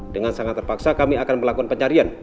dengan sangat terpaksa kami akan melakukan pencarian